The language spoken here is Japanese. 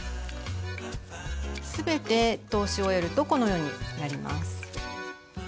全て通し終えるとこのようになります。